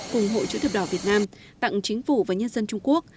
cùng hội chữ thập đỏ việt nam tặng chính phủ và nhân dân trung quốc